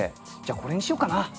これにしようかな。